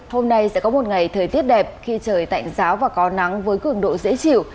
hôm nay sẽ có một ngày thời tiết đẹp khi trời tạnh giáo và có nắng với cường độ dễ chịu